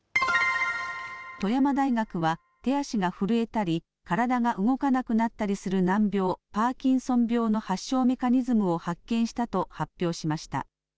富山大学は、手足が震えたり体が動かなくなったりする難病、パーキンソン病の発症メカニズムを発見したと発表しました。